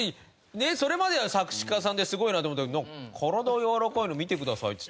それまでは作詞家さんですごいなと思ってたけど「体やわらかいの見てください」っつって。